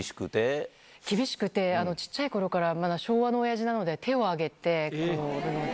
厳しくて、ちっちゃいころからまだ昭和のおやじなので、手を上げているので。